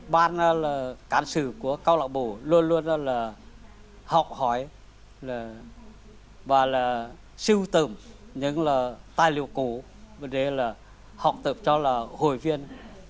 bản là cán sử của câu lạc bộ luôn luôn là học hỏi và là sưu tưởng những là tài liệu cũ để là học tập cho là hội viên